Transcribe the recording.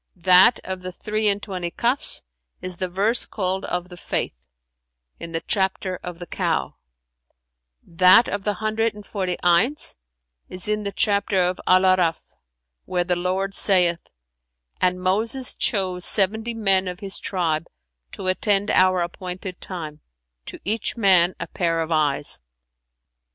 '[FN#387] that of the three and twenty Kafs is the verse called of the Faith, in the chapter of The Cow; that of the hundred and forty Ayns is in the chapter of Al A'arαf,[FN#388] where the Lord saith, 'And Moses chose seventy men of his tribe to attend our appointed time;[FN#389] to each man a pair of eyes.'